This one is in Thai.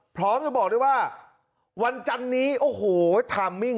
พร้อมจะบอกด้วยว่าวันจันนี้โอ้โหไทมมิ่ง